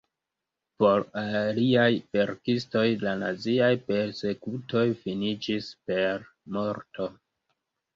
Por aliaj verkistoj la naziaj persekutoj finiĝis per morto.